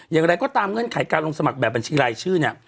อย่างไรก็ตามเงื่อนไขการลงสมัครแบบบัญชีรายชื่อเนี่ย